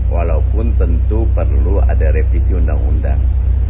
walaupun tentu perlu ada revisi undang undang